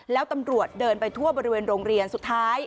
แล้วตำรวจเดินไปทั่วบริเวณโรงเรียนสุดท้าย